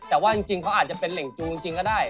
แต่ว่าจริงเขาอาจจะเป็นเหล่งจูงจริงก็ได้